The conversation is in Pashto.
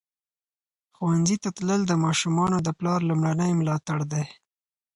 ښوونځي ته تلل د ماشومانو د پلار لومړنی ملاتړ دی.